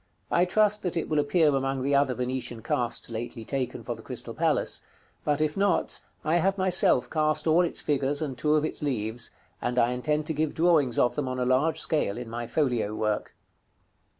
I trust that it will appear among the other Venetian casts lately taken for the Crystal Palace; but if not, I have myself cast all its figures, and two of its leaves, and I intend to give drawings of them on a large scale in my folio work.